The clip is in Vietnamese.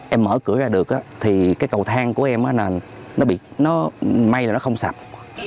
em mở cửa ra được á thì cái cầu thang của em nó may là nó không sạch